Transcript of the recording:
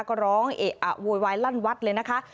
ก็ร้องเอะอะโวยวายลั่นวัดเลยนะคะ